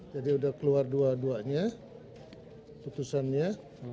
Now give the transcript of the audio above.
jadi sudah keluar dua duanya keputusannya